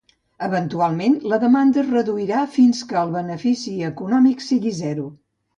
Eventualment, la demanda es reduirà fins que el benefici econòmic sigui zero.